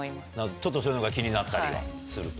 ちょっとそういうのが気になったりはすると。